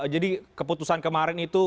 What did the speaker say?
jadi keputusan kemarin itu